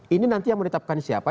ini nanti yang menetapkan siapa